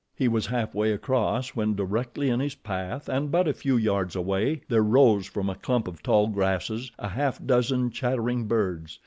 He was half way across when directly in his path and but a few yards away there rose from a clump of tall grasses a half dozen chattering birds.